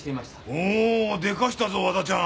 おおでかしたぞ和田ちゃん！